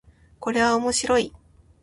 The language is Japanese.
これは面白い